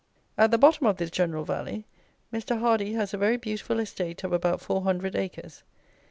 At the bottom of this general valley, Mr. Hardy has a very beautiful estate of about four hundred acres.